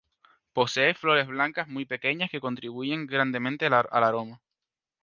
Posee flores blancas muy pequeñas, que contribuyen grandemente al aroma.